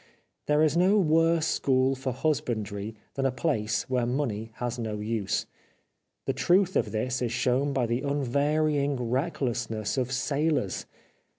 There is no worse school for husbandry than a place where money has no use. The truth of this is shown by the unvarying recklessness of sailors.